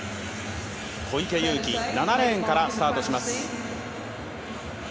小池祐貴、７レーンからスタートします。